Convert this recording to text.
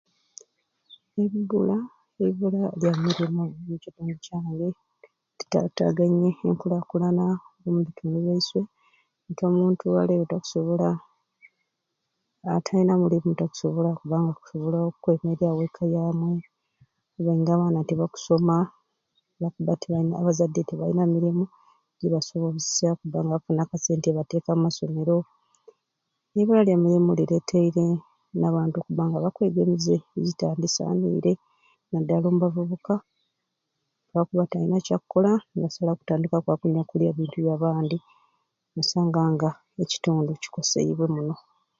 Ebula eibuura lya mirimu omukitundu kyange ritatagainye enkulakulana omubitundu byaiswe nti omuntu olwaleero takusobola atayina mulimu takusobola kubanga akusobola okwemeryawo ekka yamwei baingi abaana tibakusoma olwakuba tibayi abazadde tibayina mirimu jibasobozesya okubanga bakufunamu akasente okubateka omumasomero, eibula lya mirimu lileteire nabantu okubanga bakweega emize ejibi ejitandisanire nadala ombavuuka lwakubba tayina kyakola nasalawo kutandika kwakunyakulya bintu byabandi nosanga nga ekitundu kikoseibwe munoo.